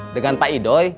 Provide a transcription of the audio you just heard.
dengan pak idoi